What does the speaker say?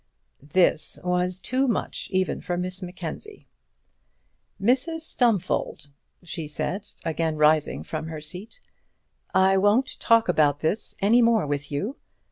This was too much even for Miss Mackenzie. "Mrs Stumfold," she said, again rising from her seat, "I won't talk about this any more with you.